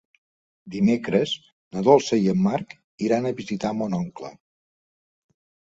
Dimecres na Dolça i en Marc iran a visitar mon oncle.